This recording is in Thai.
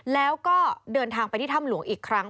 แล้วก็เดินทางไปที่ถ้ำหลวงอีกครั้ง